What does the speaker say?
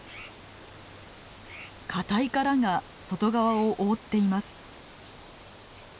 固い殻が外側を覆っています。